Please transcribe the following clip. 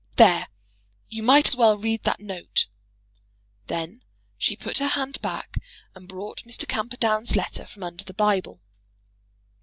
There; you might as well read that note." Then she put her hand back and brought Mr. Camperdown's letter from under the Bible.